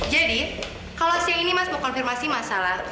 jadi kalau siang ini mas mau konfirmasi masalah